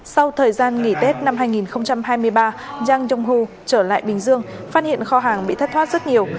sau thời gian nghỉ tết năm hai nghìn hai mươi ba yang jong ho trở lại bình dương phát hiện kho hàng bị thất thoát rất nhiều